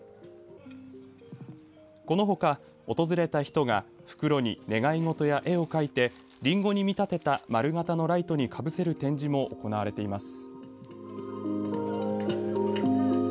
このほか、訪れた人が袋に願い事や絵を描いてりんごに見立てた丸型のライトにかぶせる展示も行われています。